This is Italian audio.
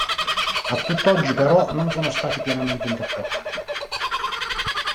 A tutt'oggi però non sono stati pienamente interpretati.